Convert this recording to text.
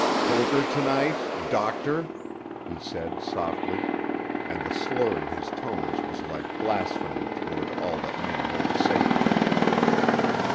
"Poker to night—doctor?" he said softly, and the slur in his tones was like blasphemy toward all that men hold sacred.